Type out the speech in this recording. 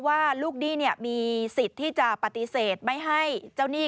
ว่าลูกหนี้มีสิทธิ์ที่จะปฏิเสธไม่ให้เจ้าหนี้